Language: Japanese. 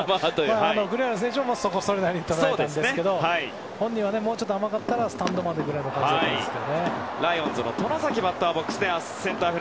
栗原選手もそれなりに捉えたんですけど本人はもうちょっと甘かったらスタンドまでという感じだったんですが。